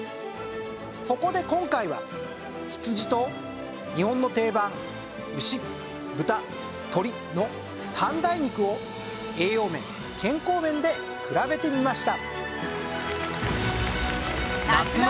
そこで今回は羊と日本の定番牛豚鶏の３大肉を栄養面健康面で比べてみました。